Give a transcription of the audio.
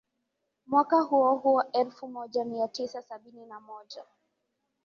Mwaka huo huo elfu moja mia tisa sabini na moja